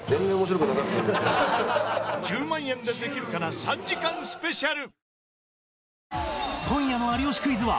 『１０万円でできるかな』３時間スペシャル